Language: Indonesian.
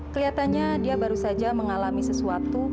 kelihatannya dia baru saja mengalami sesuatu